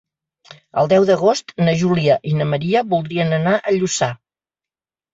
El deu d'agost na Júlia i na Maria voldrien anar a Lluçà.